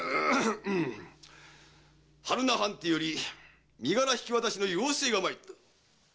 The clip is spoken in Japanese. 榛名藩邸より身柄引き渡しの要請が参っておる。